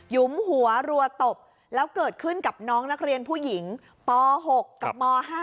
ยุมหัวรัวตบแล้วเกิดขึ้นกับน้องนักเรียนผู้หญิงป๖กับม๕